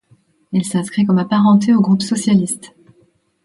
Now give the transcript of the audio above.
Il s'inscrit comme apparenté au groupe socialiste.